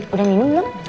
udah minum belum